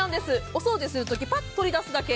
お掃除するときパッと取り出すだけ。